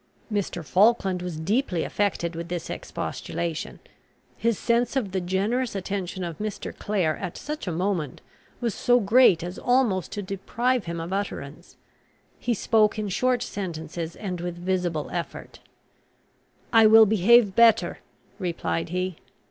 Mr. Falkland was deeply affected with this expostulation. His sense of the generous attention of Mr. Clare at such a moment, was so great as almost to deprive him of utterance. He spoke in short sentences, and with visible effort. "I will behave better," replied he.